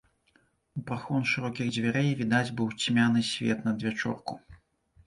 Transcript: У прахон шырокіх дзвярэй відаць быў цьмяны свет надвячорку.